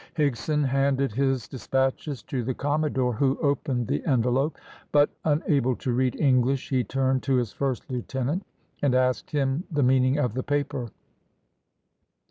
Higson handed his despatches to the commodore who opened the envelope, but, unable to read English, he turned to his first lieutenant, and asked him the meaning of the paper.